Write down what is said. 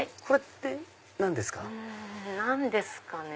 これって何ですか？